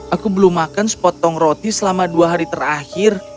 aku belum makan sepotong roti selama dua hari terakhir